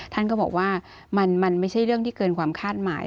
ท่านก็บอกว่ามันไม่ใช่เรื่องที่เกินความคาดหมาย